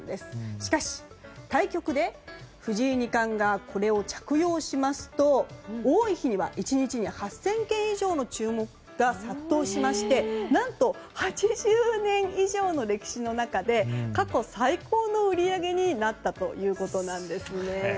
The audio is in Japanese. しかし、対局で藤井二冠がこれを着用しますと多い日には１日に８０００件以上の注文が殺到しまして何と８０年以上の歴史の中で過去最高の売り上げになったということなんですね。